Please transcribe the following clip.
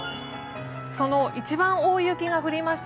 その一番大雪が降りました